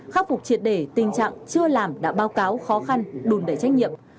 khắc phục triệt để tình trạng chưa làm đã báo cáo khó khăn đùn đẩy trách nhiệm